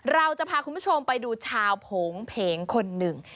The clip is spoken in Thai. เราจะพาคุณผู้ชมไปดูชาวโผงเพงคนหนึ่ง